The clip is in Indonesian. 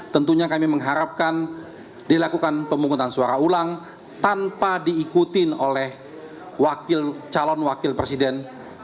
tentunya kami mengharapkan dilakukan pemungutan suara ulang tanpa diikutin oleh calon wakil presiden